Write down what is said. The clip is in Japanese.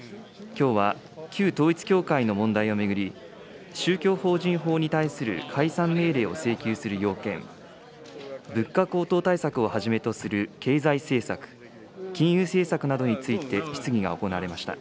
きょうは旧統一教会の問題を巡り、宗教法人法に対する解散命令を請求する要件、物価高騰対策をはじめとする経済政策、金融政策などについて質疑が行われました。